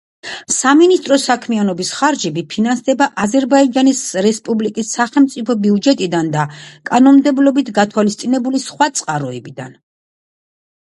სამინისტროს საქმიანობის ხარჯები ფინანსდება აზერბაიჯანის რესპუბლიკის სახელმწიფო ბიუჯეტიდან და კანონმდებლობით გათვალისწინებული სხვა წყაროებიდან.